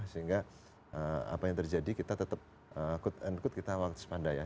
sehingga apa yang terjadi kita tetap kut n kut kita waktu semandai ya